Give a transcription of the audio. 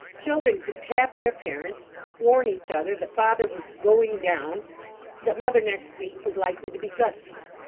Children could tap their parents, warn each other that father was "going down;" that mother next week was likely to be "gusty."